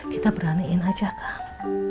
kita beraniin aja kang